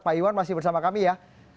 pak iwan masih bersama kami ya